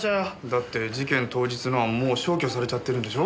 だって事件当日のはもう消去されちゃってるんでしょ？